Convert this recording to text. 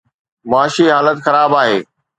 معاشي حالت خراب آهي.